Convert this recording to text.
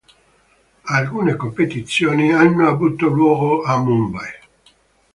Alcune competizioni hanno avuto luogo a Mumbai.